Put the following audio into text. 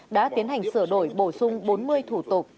đã tiến hành sửa đổi bổ sung bốn mươi thủ tục